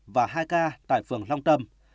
và hai ca tại phường long tâm